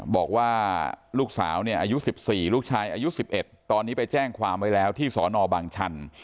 บอกว่าลูกสาวเนี่ยอายุ๑๔ลูกชายอายุ๑๑ตอนนี้ไปแจ้งความไว้แล้วที่สนบางชัน